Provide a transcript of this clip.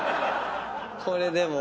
これでも。